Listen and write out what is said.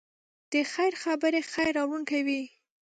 د خیر خبرې خیر راوړونکی وي.